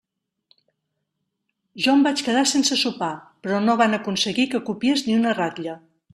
Jo em vaig quedar sense sopar, però no van aconseguir que copiés ni una ratlla.